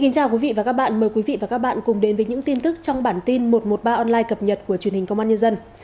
chào mừng quý vị đến với bản tin một trăm một mươi ba online cập nhật của truyền hình công an nhân dân